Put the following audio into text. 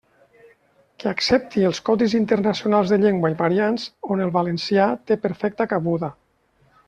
Que accepti els codis internacionals de llengua i variants, on el valencià té perfecta cabuda.